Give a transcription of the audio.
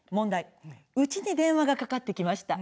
家に電話がかかってきました。